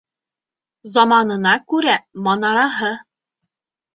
Заманына күрә манараһы.